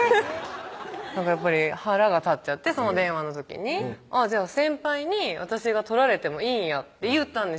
やっぱり腹が立っちゃってその電話の時に「じゃあ先輩に私が取られてもいいんや」って言ったんです